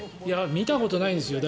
見たことないんですよ。